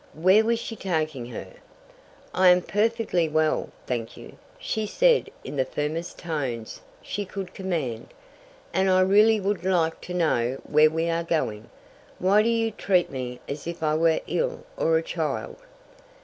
Where was she taking her? "I am perfectly well, thank you," she said in the firmest tones she could command, "and I really would like to know where we are going? Why do you treat me as if I were ill or a child?"